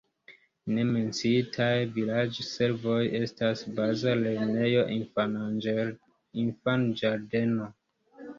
Ne menciitaj vilaĝservoj estas baza lernejo, infanĝardeno.